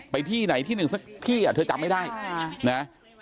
ที่ไหนที่หนึ่งสักที่เธอจำไม่ได้นะ